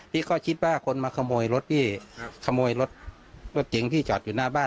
พี่ก็คิดว่าคนมาขโมยรถพี่ขโมยรถรถเก๋งที่จอดอยู่หน้าบ้าน